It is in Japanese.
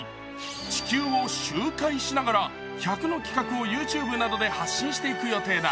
地球を周回しながら１００の企画をＹｏｕＴｕｂｅなどで発信していく予定だ。